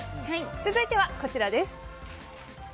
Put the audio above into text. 続いてはこちらです。